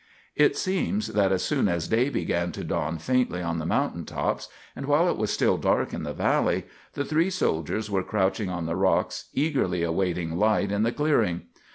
It seems that as soon as day began to dawn faintly on the mountain tops, and while it was still dark in the valley, the three soldiers were crouching on the rocks eagerly awaiting light in the clearing.